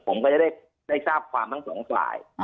ผมก็จะได้ทราบความทั้งสองฝ่าย